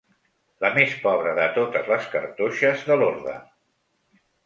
La més pobra de totes les cartoixes de l'orde.